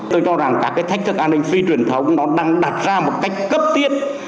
tôi cho rằng các cái thách thức an ninh phi truyền thống nó đang đặt ra một cách cấp tiết